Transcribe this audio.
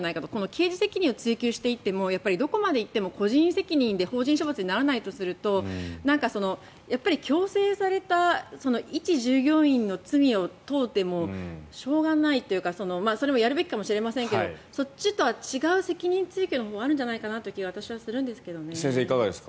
刑事責任を追及していってももうやっぱりどこまで行っても個人責任で法人処罰にならないとすると強制されたいち従業員の罪を問うてもしょうがないというかそれもやるべきかもしれませんがそっちとは違う責任追及のほうがあるんじゃないかなという気が私はするんですけどね。